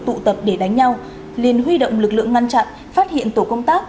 đối tượng tụ tập để đánh nhau liên huy động lực lượng ngăn chặn phát hiện tổ công tác